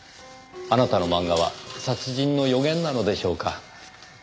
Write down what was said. あなたの漫画は殺人の予言なのでしょうか？